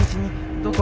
どこ？